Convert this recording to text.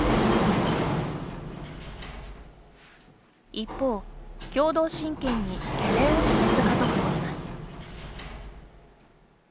一方、共同親権に懸念を示す家族もいます。